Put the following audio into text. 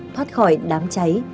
thoát khỏi đám cháy